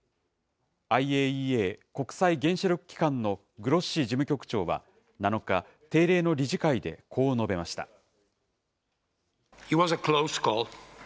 ＩＡＥＡ・国際原子力機関のグロッシ事務局長は７日、定例の理事会でこう述べました。